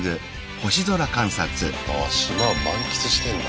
ああ島を満喫してんだ。